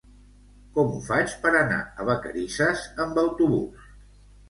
Com ho faig per anar a Vacarisses amb autobús?